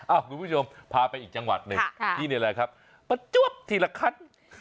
คุณผู้ชมพาไปอีกจังหวัดหนึ่งที่นี่แหละครับประจวบทีละขั้น